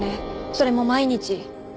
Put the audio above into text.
それも毎日。